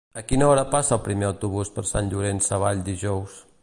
A quina hora passa el primer autobús per Sant Llorenç Savall dijous?